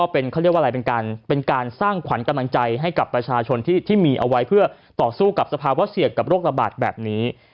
เขาเรียกว่าอะไรเป็นการสร้างขวัญกำลังใจให้กับประชาชนที่มีเอาไว้เพื่อต่อสู้กับสภาวะเสี่ยงกับโรคระบาดแบบนี้